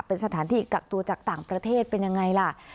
เป็นสถานที่กักตัวจากต่างประเทศเป็นยังไงล่ะ